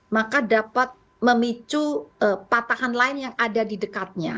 maka dapat memicu patahan lain yang ada di dekatnya